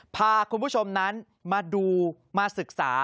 พาคุณผู้ชมนั้นมาดูมาศึกษา